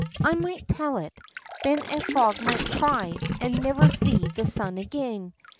I might tell it, then a frog might try it, and never see the sun again.